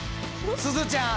すずちゃん